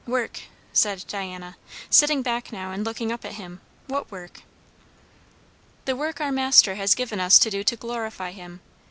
"Work!" said Diana, sitting back now and looking up at him; "what work?" "The work our Master has given us to do to glorify him.